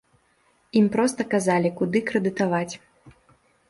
Ім проста казалі, куды крэдытаваць.